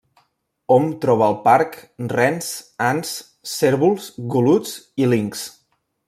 Hom troba al parc rens, ants, cérvols, goluts i linxs.